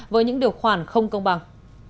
với những điều khoản không công bằng